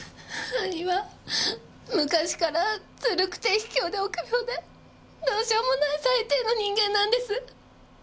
兄は昔からずるくて卑怯で臆病でどうしようもない最低の人間なんです。